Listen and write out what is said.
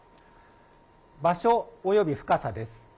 場所および深さです。